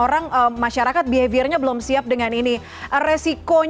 tapi kalau salah satu faktornya adalah karena adanya perusahaan